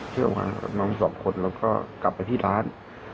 เที่ยวมาน้องสองคนเราก็กลับไปที่ร้าน